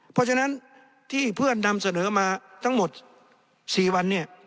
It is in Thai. เพราะฉะนั้นที่เพื่อนนำเสนอมาทั้งหมด๔วันเนี่ย